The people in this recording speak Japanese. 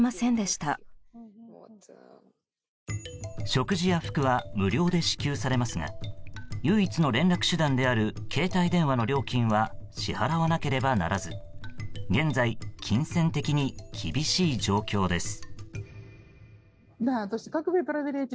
食事や服は無料で支給されますが唯一の連絡手段である携帯電話の料金は支払わなければならず現在、金銭的に厳しい状況です。